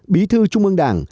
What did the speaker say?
bí thư trung ương đảng